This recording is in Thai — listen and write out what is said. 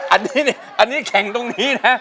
อันนี้อันนี้แข่งตรงนี้นะ